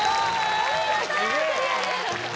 お見事クリアです！